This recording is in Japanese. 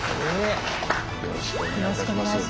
よろしくお願いします。